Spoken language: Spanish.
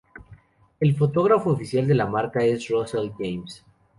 El fotógrafo oficial de la marca es Russell James.